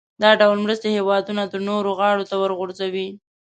دا ډول مرستې هېوادونه د نورو غاړې ته ورغورځوي.